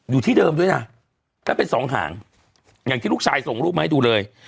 อยู่ที่เดิมด้วยนะแล้วเป็นสองหางอย่างที่ลูกชายส่งรูปมาให้ดูเลย